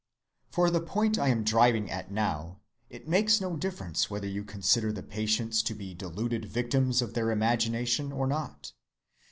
For the point I am driving at now, it makes no difference whether you consider the patients to be deluded victims of their imagination or not.